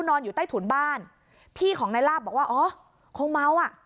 พี่นายลาบก็นอนอยู่ใต้ถุนบ้านพี่ของนายลาบบอกว่าอ๋อคงเม้าอ่ะ